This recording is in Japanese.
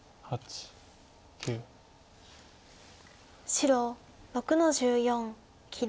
白６の十四切り。